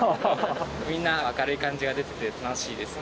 みんな明るい感じが出てて楽しいですね。